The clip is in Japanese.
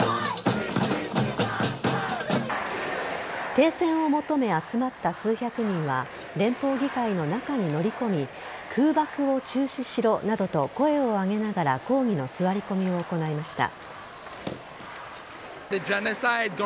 停戦を求め、集まった数百人は連邦議会の中に乗り込み空爆を中止しろなどと声を上げながら抗議の座り込みを行いました。